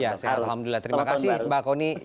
ya sehat alhamdulillah terima kasih mbak kony